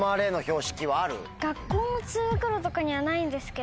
学校の通学路とかにはないんですけど。